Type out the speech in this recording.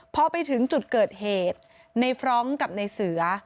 พอไปถึงจุดเกิดเหตุในฟรองก์กับในเสือ